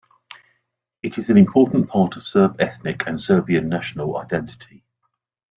It is an important part of Serb ethnic and Serbian national identity.